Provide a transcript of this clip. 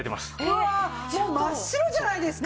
うわもう真っ白じゃないですか！